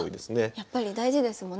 やっぱり大事ですもんね